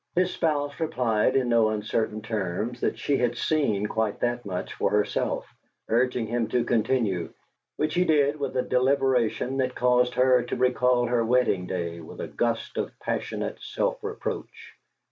His spouse replied in no uncertain terms that she had seen quite that much for herself, urging him to continue, which he did with a deliberation that caused her to recall their wedding day with a gust of passionate self reproach.